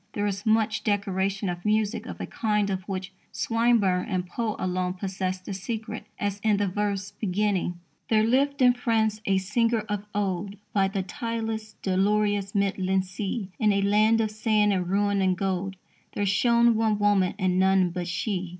There is much decoration of music of a kind of which Swinburne and Poe alone possessed the secret, as in the verse beginning: There lived in France a singer of old By the tideless, dolorous, midland sea. In a land of sand and ruin and gold There shone one woman and none but she.